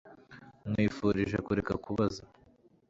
nkwifurije kureka kubaza